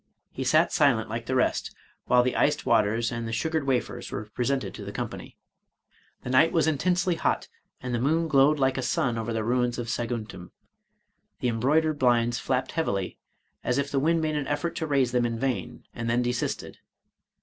He sat silent like the rest, while the iced waters and the sugared wafers were presented to the company. The night was intensely hot, and the moon glowed like a sun over the ruins of Saguntum; the embroidered bHnds flapped heavily, as if the wind made an effort to raise them in vain, and then desisted.